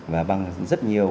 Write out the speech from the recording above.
và bằng rất nhiều